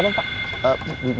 hanya ada yang bisa dikira